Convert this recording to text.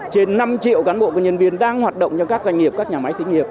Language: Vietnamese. trên năm triệu cán bộ công nhân viên đang hoạt động trong các doanh nghiệp các nhà máy sĩ nghiệp